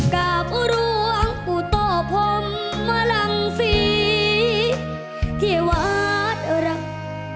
กลับร่วงอุตโตพรมมารังฟีเทวาทรัพย์